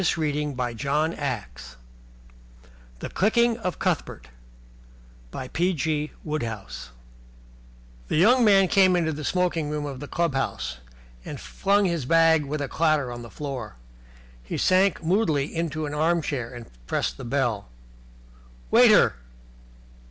THE COMING OF GOWF 1 The Clicking of Cuthbert The young man came into the smoking room of the clubhouse, and flung his bag with a clatter on the floor. He sank moodily into an arm chair and pressed the bell. "Waiter!"